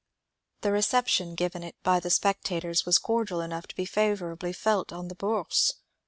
The reception given it by the spectators was cordial enough to be favourably felt on the Bourse.